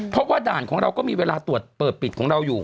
เพราะว่าด่านของเราก็มีเวลาตรวจเปิดปิดของเราอยู่